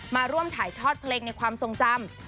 มาร่วมถ่ายทอดเพลงในความทรงจำ